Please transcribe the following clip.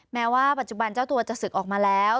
แม้ว่าปัจจุบันเจ้าตัวจะศึกออกมาแล้ว